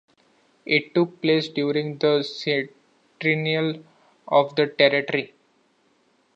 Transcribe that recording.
It took place during the centennial of the territory.